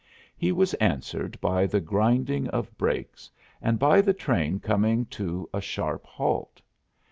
He was answered by the grinding of brakes and by the train coming to a sharp halt.